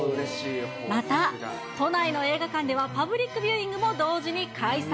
また都内の映画館ではパブリックビューイングも同時に開催。